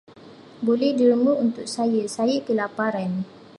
Boleh derma untuk saya, saya kelaparan.